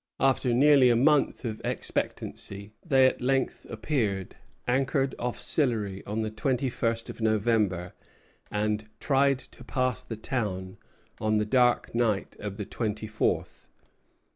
After nearly a month of expectancy, they at length appeared, anchored off Sillery on the twenty first of November, and tried to pass the town on the dark night of the twenty fourth.